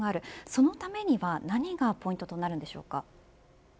そのためには何がポイントとなるのでしょうか。